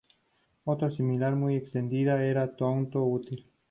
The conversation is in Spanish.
Otra similar, muy extendida, era "tonto útil".